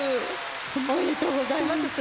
おめでとうございます。